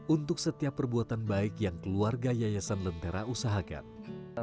untuk setiap perbuatan baik yang keluarga yayasan lentera usahakan